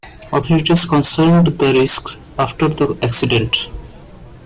Authorities concealed the risks after the accident.